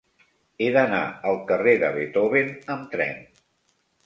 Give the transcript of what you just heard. He d'anar al carrer de Beethoven amb tren.